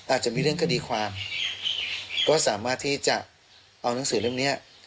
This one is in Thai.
อาจจะมีเรื่องคดีความก็สามารถที่จะเอานังสือเรื่องนี้